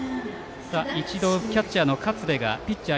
一度キャッチャーの勝部がピッチャー